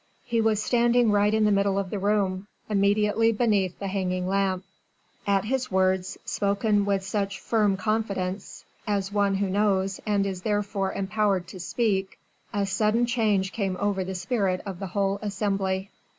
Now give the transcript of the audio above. He was standing right in the middle of the room, immediately beneath the hanging lamp. At his words spoken with such firm confidence, as one who knows and is therefore empowered to speak a sudden change came over the spirit of the whole assembly.